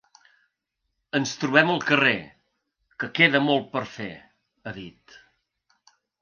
Ens trobem al carrer, que queda molt per fer, ha dit.